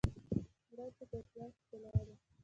مړه ته د ژوند ښکلا ده